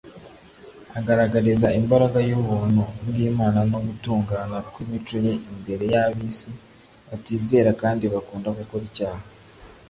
agaragariza imbaraga y'ubuntu bw'imana no gutungana kw'imico ye imbere y'ab'isi batizera kandi bakunda gukora icyaha